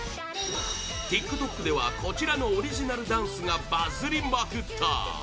ＴｉｋＴｏｋ ではこちらのオリジナルダンスがバズりまくった！